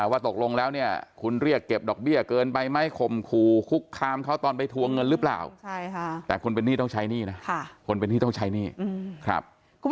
ใช้หนี้นะค่ะคนเป็นที่ต้องใช้หนี้ครับ